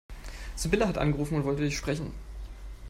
Sibylle hat angerufen und wollte dich sprechen.